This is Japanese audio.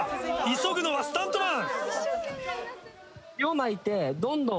急ぐのはスタントマン。